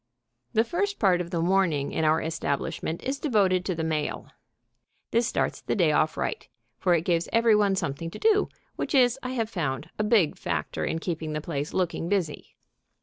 The first part of the morning in our establishment is devoted to the mail. This starts the day off right, for it gives every one something to do, which is, I have found, a big factor in keeping the place looking busy.